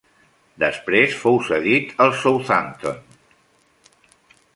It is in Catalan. Després fou cedit al Southampton.